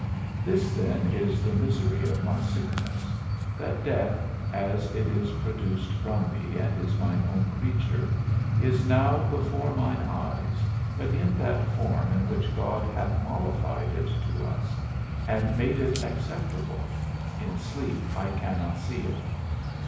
This then is the misery of my sickness, that death, as it is produced from me and is mine own creature, is now before mine eyes, but in that form in which God hath mollified it to us, and made it acceptable, in sleep I cannot see it.